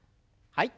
はい。